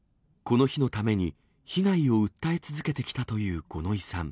この日のために、被害を訴え続けてきたという五ノ井さん。